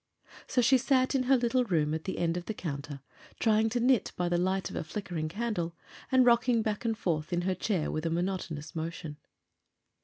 So she sat in her little room at the end of the counter, trying to knit by the light of a flickering candle, and rocking back and forth in her chair with a monotonous motion.